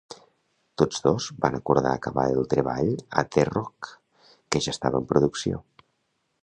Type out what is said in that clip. Tots dos van acordar acabar el treball a "The Rock", que ja estava en producció.